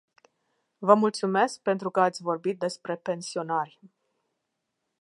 Vă mulțumesc pentru că ați vorbit despre pensionari.